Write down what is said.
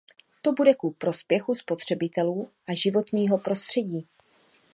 To bude ku prospěchu spotřebitelů a životního prostředí.